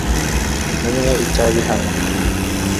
ntunywe itabi hano